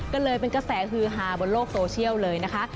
ก็เลยเป็นกระแสฮือฮาบนโลกโซเชียลเลยนะคะ